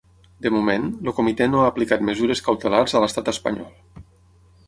De moment, el comitè no ha aplicat mesures cautelars a l’estat espanyol.